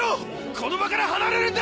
この場から離れるんだ！